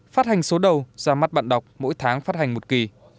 phát hành số đầu ra mắt bạn đọc mỗi tháng phát hành một kỳ